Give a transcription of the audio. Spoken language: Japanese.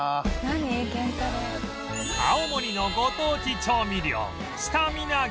青森のご当地調味料スタミナ源たれ